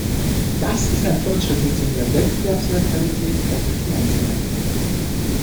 Das ist ein Fortschritt hin zu mehr Wettbewerbsneutralität auf den Finanzmärkten.